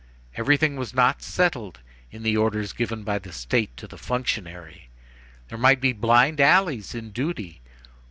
everything was not settled in the orders given by the State to the functionary! There might be blind alleys in duty!